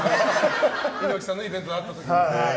猪木さんのイベントで会った時にと。